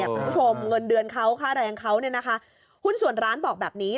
คุณผู้ชมเงินเดือนเขาค่าแรงเขาเนี่ยนะคะหุ้นส่วนร้านบอกแบบนี้